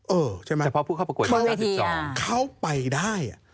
เออใช่ไหมครับเฉพาะผู้เข้าประกวด๙๒อ่ะเข้าไปได้